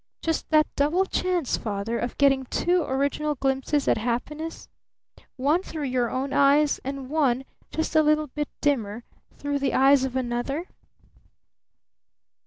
Just that double chance, Father, of getting two original glimpses at happiness? One through your own eyes, and one just a little bit dimmer through the eyes of another?"